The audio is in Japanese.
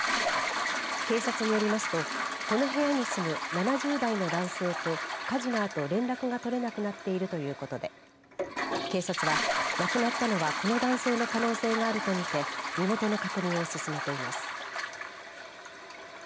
警察によりますとこの部屋に住む７０代の男性と火事のあと連絡が取れなくなっているということで警察は、亡くなったのはこの男性の可能性があると見て身元の確認を進めています。